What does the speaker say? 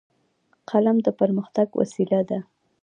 قلم د پرمختګ وسیله ده